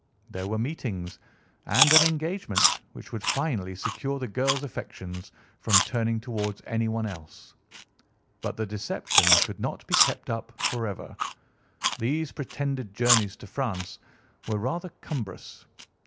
There were meetings, and an engagement, which would finally secure the girl's affections from turning towards anyone else. But the deception could not be kept up forever. These pretended journeys to France were rather cumbrous.